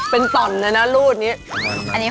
เป็นต่อนเลยนะรูดนี้